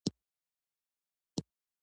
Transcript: د ننګرهار پوهنتون په درنټه کې موقعيت لري.